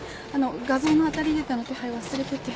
画像のアタリデータの手配忘れてて。